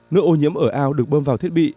nước ô nhiễm ở ao được bơm vào thiết bị